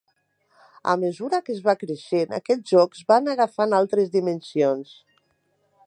A mesura que es va creixent, aquests jocs van agafant altres dimensions.